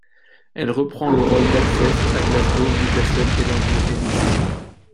Elle reprend le rôle d’Alceste à Glasgow, Newcastle, Edinburgh et Nice.